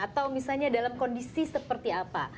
atau misalnya dalam kondisi seperti apa